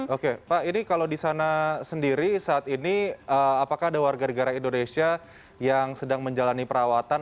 oke pak ini kalau di sana sendiri saat ini apakah ada warga negara indonesia yang sedang menjalani perawatan